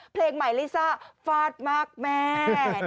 เพลงใหม่ลิซ่าฟาดมากแม่